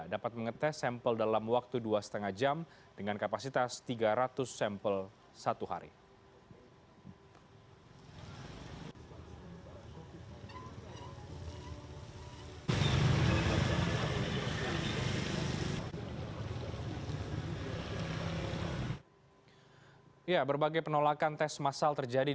dapat mengetes sampel dalam waktu dua lima jam dengan kapasitas tiga ratus sampel satu hari